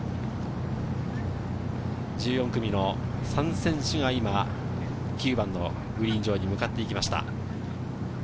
１４組の３選手が今、９番のグリーン上に向かっていきました。